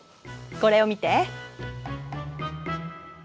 これを見て。